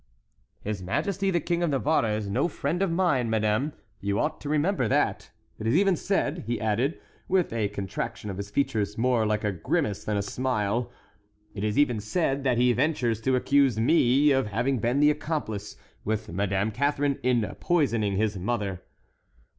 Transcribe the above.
"His majesty the King of Navarre is no friend of mine, madame, you ought to remember that. It is even said," he added, with a contraction of his features more like a grimace than a smile, "it is even said that he ventures to accuse me of having been the accomplice, with Madame Catharine, in poisoning his mother."